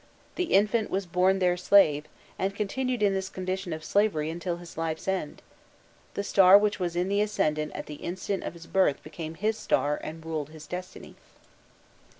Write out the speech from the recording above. The infant was born their slave, and continued in this condition of slavery until his life's end: the star which was in the ascendent at the instant of his birth became his star, and ruled his destiny.